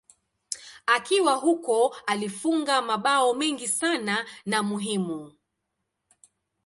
Akiwa huko alifunga mabao mengi sana na muhimu.